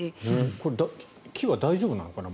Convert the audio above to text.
これ、木は大丈夫なのかな？